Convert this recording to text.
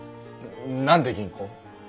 何で銀行？